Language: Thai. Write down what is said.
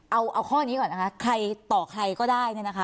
เอาข้อนี้ก่อนใครต่อใครก็ได้